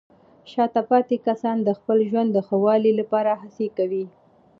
شاته پاتې کسان د خپل ژوند د ښه والي لپاره هڅې کوي.